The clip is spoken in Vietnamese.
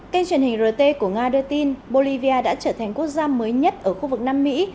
kênh truyền hình rt của nga đưa tin bolivia đã trở thành quốc gia mới nhất ở khu vực nam mỹ